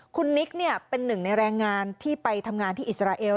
คุณนิกเป็นหนึ่งในแรงงานที่ไปทำงานที่อิสราเอล